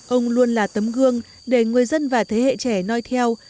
ông luôn là tấm gương để người dân và thế hệ trẻ nói theo